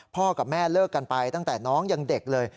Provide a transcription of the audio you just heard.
กับแม่เลิกกันไปตั้งแต่น้องยังเด็กเลย